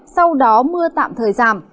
sau đó mưa tạm thời giảm